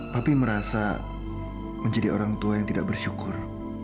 tapi merasa menjadi orang tua yang tidak bersyukur